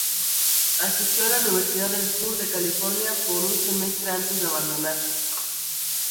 Asistió a la Universidad del Sur de California por un semestre antes de abandonar.